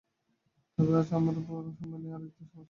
তবে আজ আমার বড়ো সময় নাই, আর-একদিন সমস্ত বলিব।